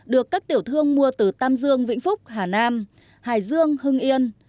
được các tiểu thương mua từ tam dương vĩnh phúc hà nam hải dương hưng yên